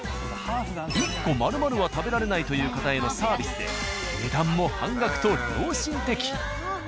１個まるまるは食べられないという方へのサービスで値段も半額と良心的。